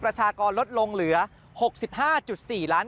กลับวันนั้นไม่เอาหน่อย